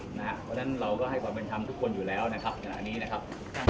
เพราะฉะนั้นเราก็ให้ความเป็นธรรมทุกคนอยู่แล้วนะครับขณะนี้นะครับ